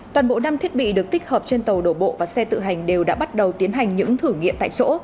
toàn bộ năm thiết bị được tích hợp trên tàu đổ bộ và xe tự hành đều đã bắt đầu tiến hành những thử nghiệm tại chỗ